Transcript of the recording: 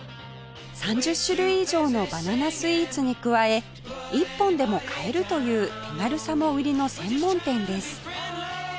３０種類以上のバナナスイーツに加え１本でも買えるという手軽さも売りの専門店です